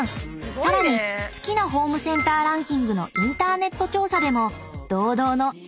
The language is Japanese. さらに好きなホームセンターランキングのインターネット調査でも堂々の第１位］